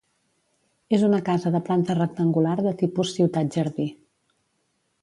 És una casa de planta rectangular de tipus ciutat-jardí.